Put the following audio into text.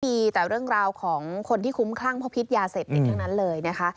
มีแต่เรื่องราวของคนที่คุ้มคลั่งเพราะพิษยาเสพติดทั้งนั้นเลยนะคะ